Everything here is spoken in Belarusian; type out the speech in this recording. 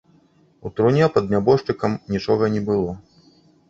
У труне пад нябожчыкам нічога не было.